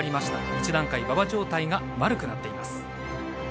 １段階馬場状態が悪くなっています。